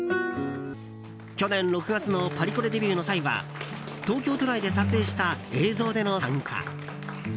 去年６月のパリコレデビューの際は東京都内で撮影した映像での参加。